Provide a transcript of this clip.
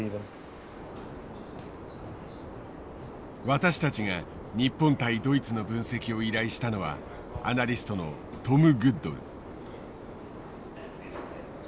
私たちが日本対ドイツの分析を依頼したのはアナリストのトム・グッドル。